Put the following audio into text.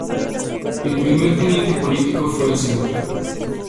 El primer Teniente político fue el Sr.